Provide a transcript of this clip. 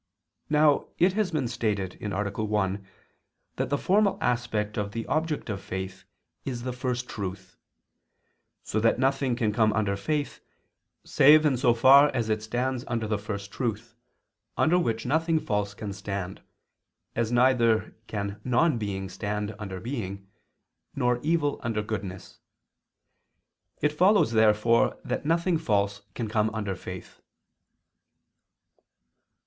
Now it has been stated (A. 1) that the formal aspect of the object of faith is the First Truth; so that nothing can come under faith, save in so far as it stands under the First Truth, under which nothing false can stand, as neither can non being stand under being, nor evil under goodness. It follows therefore that nothing false can come under faith.